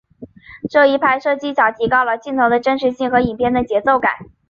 这一拍摄技巧提高了镜头的真实性和影片的节奏感。